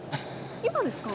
今ですか？